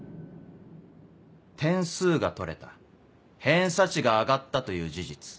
点数が取れた偏差値が上がったという事実。